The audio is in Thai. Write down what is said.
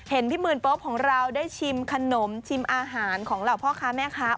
พี่หมื่นโป๊ปของเราได้ชิมขนมชิมอาหารของเหล่าพ่อค้าแม่ค้า